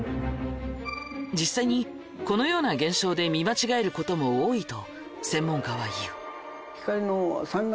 実際にこのような現象で見間違えることも多いと専門家は言う。